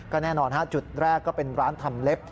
แน่นอนจุดแรกก็เป็นร้านทำเล็บ